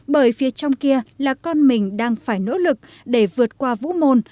bởi phía trong kia là con mình đang phải nỗ lực để vượt qua vũ môn